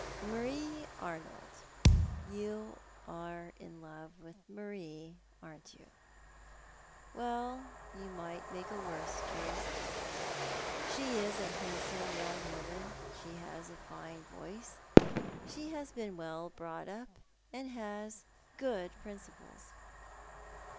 " Marie Arnold. You are in love with Marie, are you ? Well, you might make a worse choice. She is a handsome young woman, she has a fine voice, she has been well brought up, and has good principles."